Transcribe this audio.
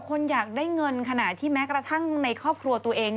คนอยากได้เงินขนาดที่แม้กระทั่งในครอบครัวตัวเอง